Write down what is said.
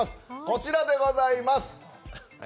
こちらでございます。